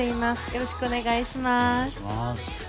よろしくお願いします。